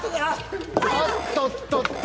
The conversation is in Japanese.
あっとっとっと。